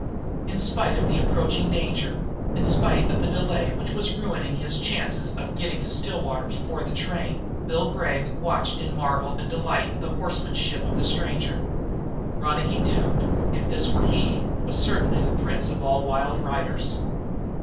In spite of the approaching danger, in spite of this delay which was ruining his chances of getting to Stillwater before the train, Bill Gregg watched in marvel and delight the horsemanship of the stranger. Ronicky Doone, if this were he, was certainly the prince of all wild riders.